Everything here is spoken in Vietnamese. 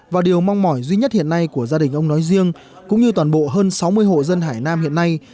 và điều mong mỏi duy nhất hiện nay của gia đình ông nói riêng cũng như toàn bộ hơn sáu mươi hộ dân hải nam hiện nay